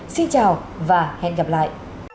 xin chào và hẹn gặp lại